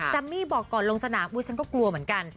มี่บอกก่อนลงสนามอุ๊ฉันก็กลัวเหมือนกัน